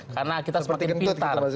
karena kita semakin pintar